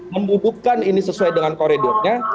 membubukkan ini sesuai dengan koridornya